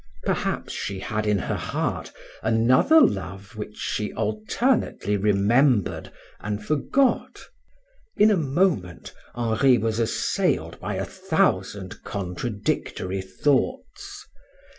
Perhaps she had in her heart another love which she alternately remembered and forgot. In a moment Henri was assailed by a thousand contradictory thoughts.